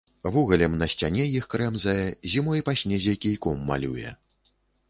Вугалем на сцяне іх крэмзае, зімой па снезе кійком малюе.